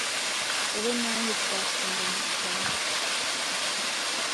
wowe na njye twakundanye cyane.